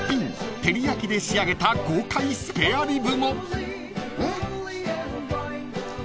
照り焼きで仕上げた豪快スペアリブも］